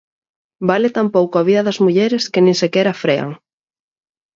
Vale tan pouco a vida das mulleres que nin sequera frean.